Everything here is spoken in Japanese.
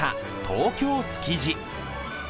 東京［築地］。